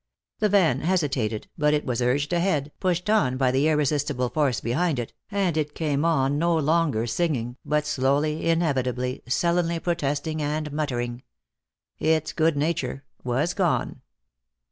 The van hesitated, but it was urged ahead, pushed on by the irresistible force behind it, and it came on no longer singing, but slowly, inevitably, sullenly protesting and muttering. Its good nature was gone.